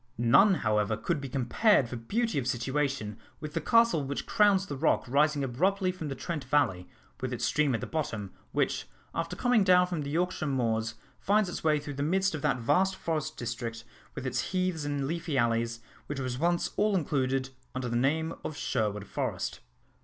None, however, could be compared for beauty of situation with the castle which crowns the rock rising abruptly from the Trent valley, with its stream at the bottom, which, after coming down from the Yorkshire moors, finds its way through the midst of that vast forest district, with its heaths and leafy alleys, which was once all included under the name of Sherwood Forest.